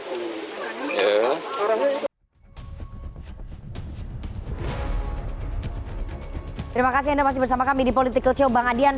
terima kasih anda masih bersama kami di political show bang adian